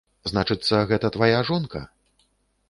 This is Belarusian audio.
Значыцца, гэта твая жонка?